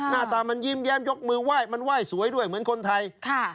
หน้าตามันยิ้มแย้มยกมือไหว้มันไหว้สวยด้วยเหมือนคนไทย